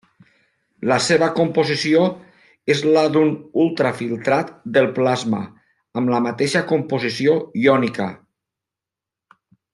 La seva composició és la d'un ultrafiltrat del plasma, amb la mateixa composició iònica.